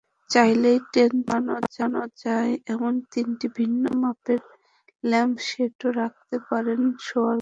চাইলেই টেনে নামানো যায় এমন তিনটি ভিন্ন মাপের ল্যাম্পশেডও রাখতে পারেন শোবার ঘরে।